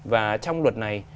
và trong luật này